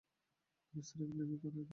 তুমি স্রেফ নির্বিকার হয়ে দাঁড়িয়ে রইলে।